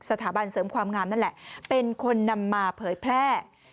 สถาบันเสริมความงามนั่นแหละเป็นคนนำมาเผยแพร่